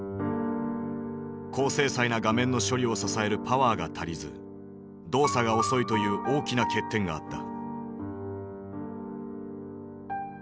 高精細な画面の処理を支えるパワーが足りず動作が遅いという大きな欠点があった。